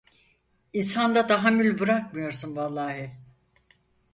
İnsanda tahammül bırakmıyorsun vallahi!